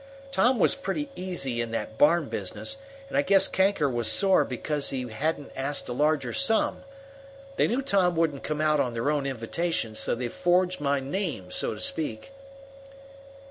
"Tom was pretty easy in that barn business, and I guess Kanker was sore because he haven't asked a larger sum. They knew Tom wouldn't come out on their own invitation, so they forged my name, so to speak."